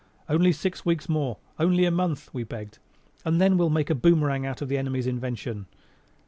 "Only six weeks more, only a month," we begged, "and then we'll make a boomerang out of the enemy's invention."